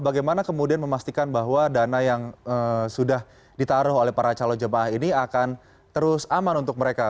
bagaimana kemudian memastikan bahwa dana yang sudah ditaruh oleh para calon jemaah ini akan terus aman untuk mereka